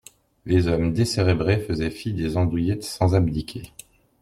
Les hommes décérébrés faisaient fi des andouillettes sans abdiquer.